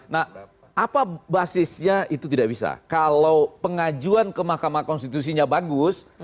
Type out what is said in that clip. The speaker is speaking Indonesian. nah apa basisnya itu tidak bisa kalau pengajuan ke mahkamah konstitusinya bagus